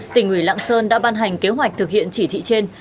tỉnh ủy lạng sơn đã ban hành kế hoạch thực hiện chỉ thị trên